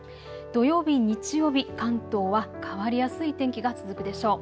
土曜日、日曜日、関東は変わりやすい天気が続くでしょう。